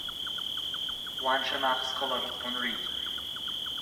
Bhain sé amach Scoláireacht an Rí.